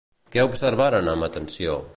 Què observaven amb atenció?